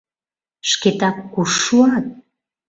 Шкетак куш шуат?